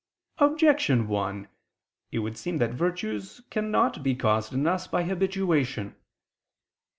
Objection 1: It would seem that virtues can not be caused in us by habituation.